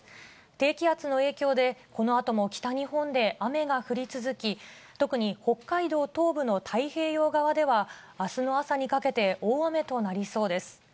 低気圧の影響で、このあとも北日本で雨が降り続き、特に北海道東部の太平洋側では、あすの朝にかけて大雨となりそうです。